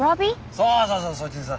そうそうそうそいつにさ。